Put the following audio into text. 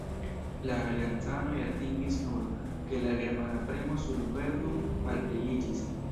La aliancanoj atingis nur, ke la germana premo sur Verdun malpliiĝis.